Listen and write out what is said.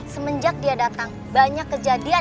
semenjak dia datang banyak kejadian